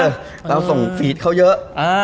เราส่งฟีดเขาเยอะ